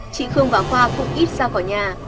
chị khương và khoa cũng ít ra khỏi nhà